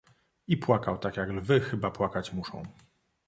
"I płakał, tak jak lwy chyba płakać muszą."